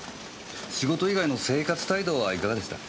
仕事以外の生活態度はいかがでした？